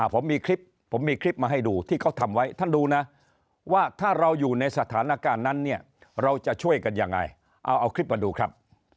ผมมีคลิปผมมีคลิปมาให้ดูที่เขาทำไว้ท่านดูนะว่าถ้าเราอยู่ในสถานการณ์นั้นเนี่ยเราจะช่วยกันยังไงเอาคลิปมาดูครับ